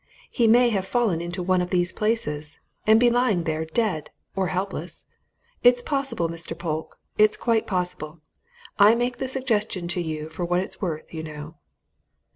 He may have fallen into one of these places and be lying there dead or helpless. It's possible, Mr. Polke, it's quite possible. I make the suggestion to you for what it's worth, you know."